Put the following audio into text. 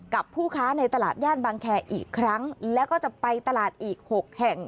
กับผู้ค้าในตลาดย่านบางแคอีกครั้งแล้วก็จะไปตลาดอีกหกแห่ง